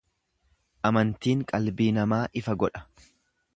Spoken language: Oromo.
Amantiin qalbii namaa ifa godha.